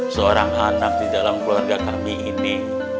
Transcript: seorang anak di dalam keluarga kami ini